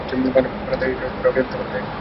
বারান্দায় বসে আকাশের শোভা দেখি।